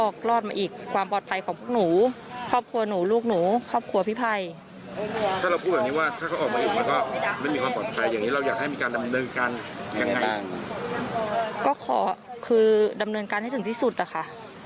ก็ขอคือดำเนินการให้ถึงที่สุดนะคะ